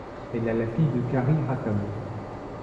Elle est la fille de Kari Rahkamo.